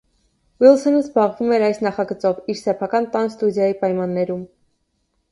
Ուիլսոնը զբաղվում էր այս նախագծով իր սեփական տան ստուդիայի պայմաններում։